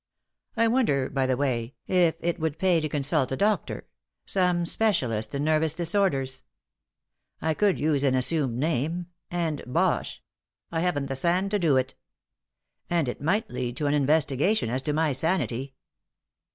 I wonder, by the way, if it would pay to consult a doctor some specialist in nervous disorders? I could use an assumed name, and Bosh! I haven't the sand to do it. And it might lead to an investigation as to my sanity.